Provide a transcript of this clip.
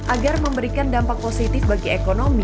agar memberikan dampak positif bagi ekonomi